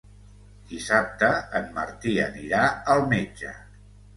Dissabte en Martí anirà al metge.